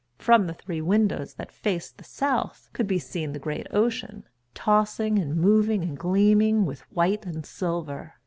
From the three windows that faced the south could be seen the great ocean, tossing and moving and gleaming with white and silver.